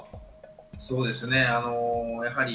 そうですね。